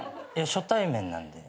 初対面なんで。